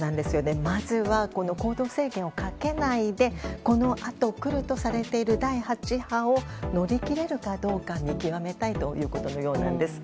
まずはこの行動制限をかけないでこのあと来るとされている第８波を乗り切れるかどうか見極めたいということのようなんです。